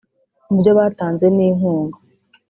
Mu byo batanze nk’inkunga